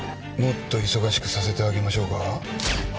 もっと忙しくさせてあげましょうか？